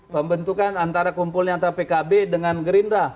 pembentukan antara kumpulnya antara pkb dengan gerindra